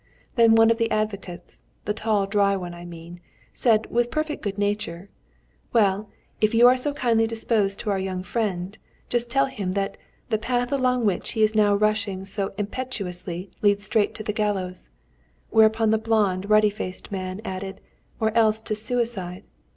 Then one of the advocates, the tall dry one I mean, said, with perfect good nature: 'Well, if you are kindly disposed towards our young friend, just tell him that the path along which he is now rushing so impetuously leads straight to the gallows,' whereupon the blonde, ruddy faced man added, '_or else to suicide.